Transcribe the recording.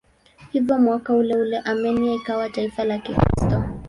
Hivyo mwaka uleule Armenia ikawa taifa la Kikristo.